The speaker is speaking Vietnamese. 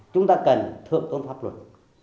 chúng ta cần thượng tôn pháp luật